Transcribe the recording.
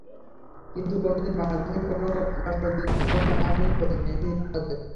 কিন্তু কোনো দিন বাংলাদেশের কোনো রাষ্ট্রদূত এখানে আসেননি, খোঁজ নেননি তাদের।